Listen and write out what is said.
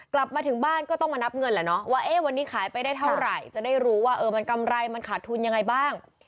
กลับมาถึงบ้านก็ต้องมานับเงินแหละเนาะว่าวันนี้ขายไปได้เท่าไหร่จะได้รู้ว่ามันกำไรมันขาดทุนยังไงบ้าง